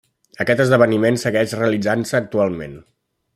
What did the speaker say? Aquest esdeveniment segueix realitzant-se actualment.